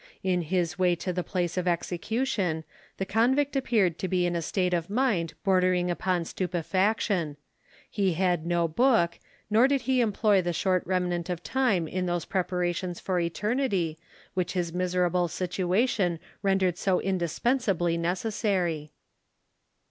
In his way to the place of execution, the convict appeared to be in a state of mind bordering upon stupefaction; he had no book, nor did he employ the short remnant of time in those preparations for eternity which his miserable situation rendered so indispensably necessray.